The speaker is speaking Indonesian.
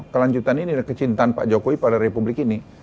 kelanjutan ini adalah kecintaan pak jokowi pada republik ini